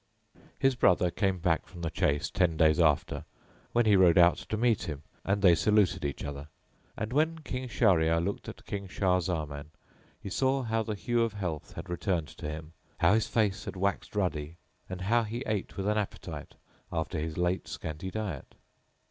His brother came back from the chase ten days after, when he rode out to meet him and they saluted each other; and when King Shahryar looked at King Shah Zaman he saw how the hue of health had returned to him, how his face had waxed ruddy and how he ate with an appetite after his late scanty diet.